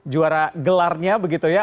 juara gelarnya begitu ya